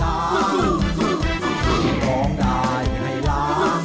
รายการต่อไปนี้เป็นรายการทั่วไปสามารถรับชมได้ทุกวัย